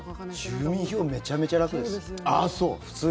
住民票めちゃめちゃ楽です。